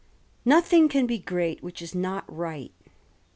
■ Nothing can be great which is not right.